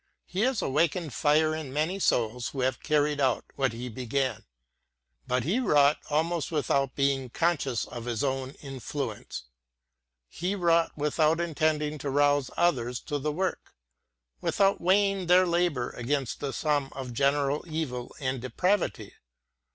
He has awakened fire in many <vil ^ who have carried out what he began. But he wrought L without being conscious of his own influence; — he out intending to rouse others to the work, out weighing their labour against the sum of general rarity.